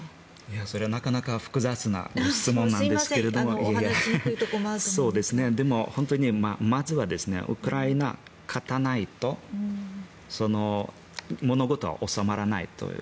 それはなかなか複雑な質問なんですけれどもでも、まずはウクライナが勝たないと物事は収まらないという。